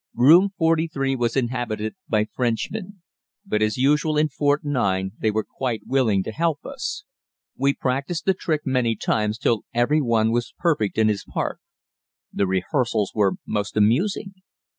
Room 43 was inhabited by Frenchmen, but as usual in Fort 9 they were quite willing to help us. We practiced the trick many times till every one was perfect in his part. The rehearsals were most amusing.